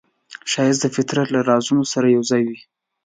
ښایست د فطرت له رازونو سره یوځای وي